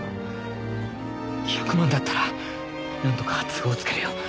１００万だったらなんとか都合つけるよ。